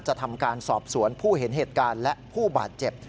ทำการสอบสวนผู้เห็นเหตุการณ์และผู้บาดเจ็บ